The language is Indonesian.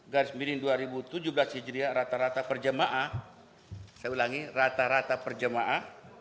garis miring dua ribu tujuh belas hijriah rata rata per jemaah saya ulangi rata rata per jemaah